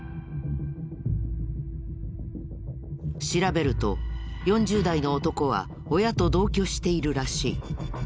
調べると４０代の男は親と同居しているらしい。